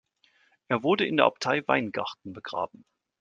Er wurde in der Abtei Weingarten begraben.